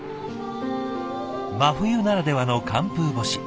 真冬ならではの寒風干し。